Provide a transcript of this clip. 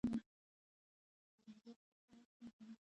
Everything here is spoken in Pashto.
ایا ستاسو کشران درناوی نه کوي؟